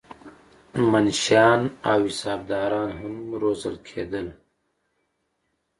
منشیان او حسابداران هم روزل کېدل.